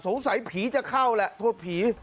สงสัยผีจะเข้าแหละโทษผี